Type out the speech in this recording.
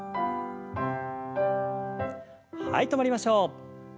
はい止まりましょう。